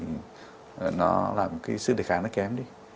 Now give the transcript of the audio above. nó làm cái sức đề kháng nó kém đi